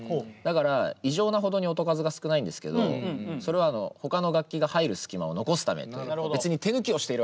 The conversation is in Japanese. だから異常なほどに音数が少ないんですけどそれはほかの楽器が入る隙間を残すためという。